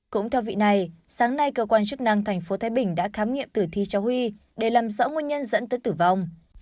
cũng theo vị này sáng nay cơ quan chức năng tp thái bình đã khám nghiệm tử thi cháu huy để làm rõ nguyên nhân dẫn tới tử vong